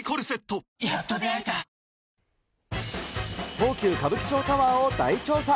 東急歌舞伎町タワーを大調査。